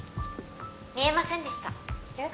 見えませんでしたえっ？